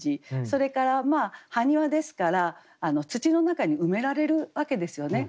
それから埴輪ですから土の中に埋められるわけですよね。